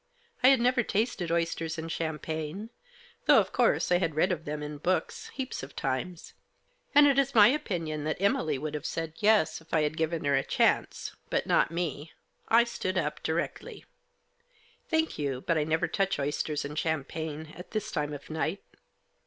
I had never tasted oysters and champagi\e ; though, of course, I had read of them in books, heaps of times. And it is my opinion that Emily would have said yes, if I had given her a chance. But not me. I stood up directly. " Thank you ; but I never touch oysters and cham pagne — at this time of night."